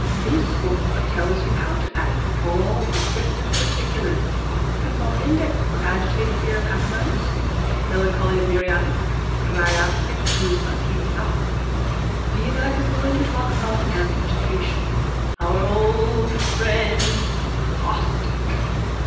_ This book tells you how to act with all descriptive particulars. Consult index for agitated fear of aconite, melancholy of muriatic, priapic pulsatilla. Virag is going to talk about amputation. Our old friend caustic.